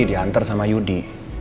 diantar sama yudi